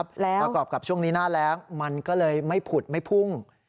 ประกอบกับช่วงนี้หน้าแรงมันก็เลยไม่ผุดไม่พุ่ง